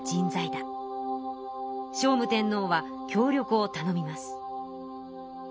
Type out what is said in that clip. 聖武天皇は協力を頼みます。